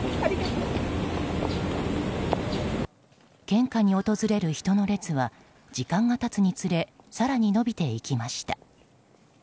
献花に訪れる人の列は時間が経つにつれ更に伸びていきました。